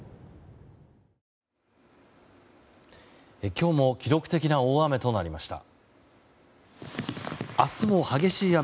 今日も記録的な大雨となりました。